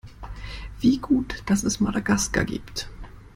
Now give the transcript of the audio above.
Wie gut, dass es Madagaskar gibt!